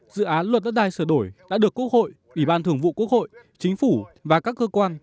dự án luật đất đai sửa đổi đã được quốc hội ủy ban thường vụ quốc hội chính phủ và các cơ quan